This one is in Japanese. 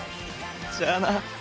じゃあな。